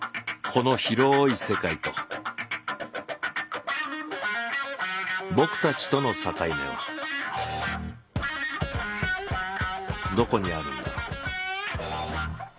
この広い世界と僕たちとの境目はどこにあるんだろう？